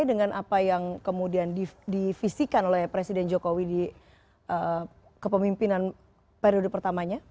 dengan apa yang kemudian divisikan oleh presiden jokowi di kepemimpinan periode pertamanya